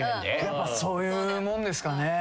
やっぱそういうもんですかね。